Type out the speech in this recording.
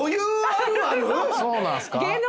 そうなんすか？